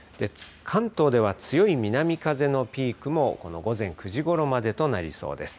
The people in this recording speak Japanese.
関東では強い南風のピークもこの午前９時ごろまでとなりそうです。